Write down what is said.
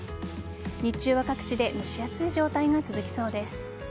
日中は各地で蒸し暑い状態が続きそうです。